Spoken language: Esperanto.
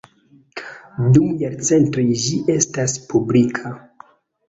Dum jarcentoj ĝi estas publika.